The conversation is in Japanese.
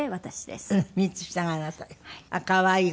可愛い。